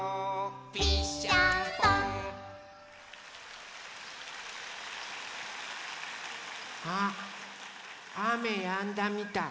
「ピッシャンポン」あっあめやんだみたい。